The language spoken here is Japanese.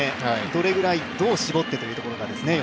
どれぐらい、どう絞ってというところですかね。